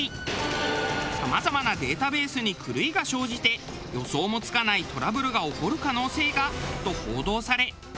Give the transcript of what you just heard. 「さまざまなデータベースに狂いが生じて予想もつかないトラブルが起こる可能性が」と報道され。